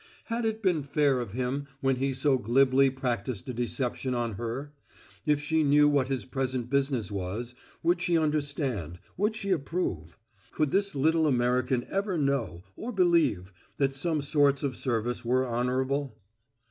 Had it been fair of him when he so glibly practised a deception on her? If she knew what his present business was, would she understand; would she approve? Could this little American ever know, or believe, that some sorts of service were honorable?